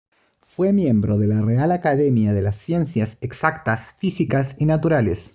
Fue miembro de la Real Academia de las Ciencias Exactas, Físicas y Naturales.